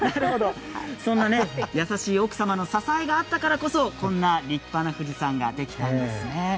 そんな優しい奥様の支えがあったからこそこんな立派な富士山ができたんですね。